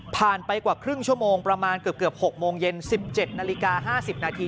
ไปกว่าครึ่งชั่วโมงประมาณเกือบ๖โมงเย็น๑๗นาฬิกา๕๐นาที